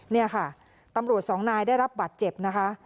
นี่ค่ะตำรวจสองนายได้รับบัตรเจ็บนะคะ